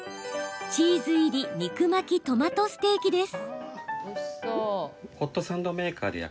チーズ入り肉巻きトマトステーキです。